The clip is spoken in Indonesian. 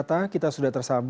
dian firmansyah purwakarta